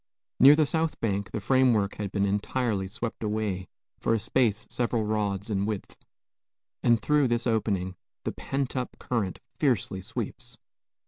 Near the south bank the framework has been entirely swept away for a space several rods in width, and through this opening the pent up current fiercely sweeps.